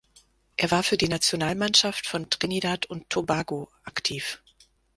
Er war für die Nationalmannschaft von Trinidad und Tobago aktiv.